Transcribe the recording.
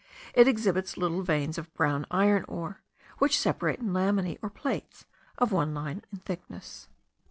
It exhibits little veins of brown iron ore, which separate in laminae, or plates, of one line in thickness.